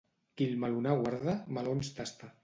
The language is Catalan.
Qui el melonar guarda, melons tasta.